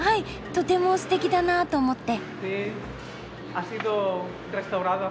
とてもすてきだなと思って。